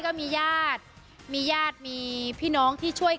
ก็มีญาติมีญาติมีพี่น้องที่ช่วย